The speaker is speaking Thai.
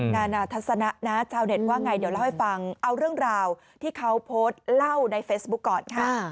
นานาทัศนะนะชาวเน็ตว่าไงเดี๋ยวเล่าให้ฟังเอาเรื่องราวที่เขาโพสต์เล่าในเฟซบุ๊คก่อนค่ะ